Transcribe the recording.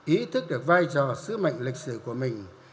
ý thức được vai trò sứ mệnh lịch sử của mình